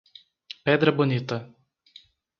Pedra Bonita